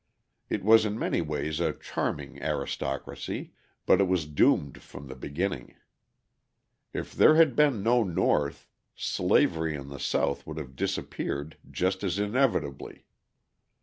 It was in many ways a charming aristocracy, but it was doomed from the beginning. If there had been no North, slavery in the South would have disappeared just as inevitably.